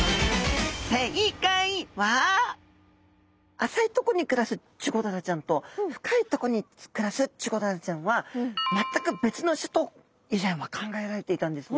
浅いとこに暮らすチゴダラちゃんと深いとこに暮らすチゴダラちゃんは全く別の種と以前は考えられていたんですね。